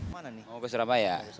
mau ke surabaya